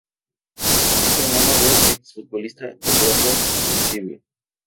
Es hermano del exfutbolista Eduardo Arancibia.